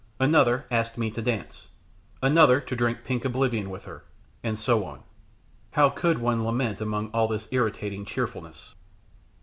Another asked me to dance, another to drink pink oblivion with her, and so on. How could one lament amongst all this irritating cheerfulness?